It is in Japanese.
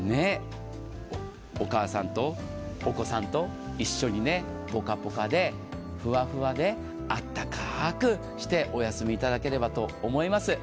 お母さんとお子さんと一緒にぽかぽかで、ふわふわであったかーくしてお休みいただければと思います。